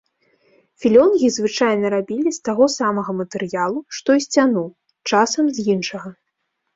Філёнгі звычайна рабілі з таго самага матэрыялу, што і сцяну, часам з іншага.